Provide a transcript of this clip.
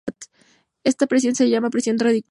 Esta presión se llama "presión radicular.